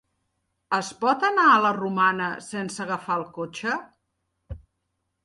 Es pot anar a la Romana sense agafar el cotxe?